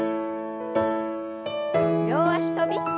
両脚跳び。